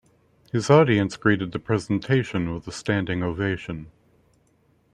His audience greeted the presentation with a standing ovation.